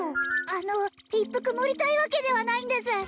あの一服盛りたいわけではないんです